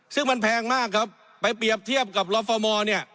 ซึ่งมันแพงมากครับไปเปรียบเทียบกับลฟอร์มอลเนี่ย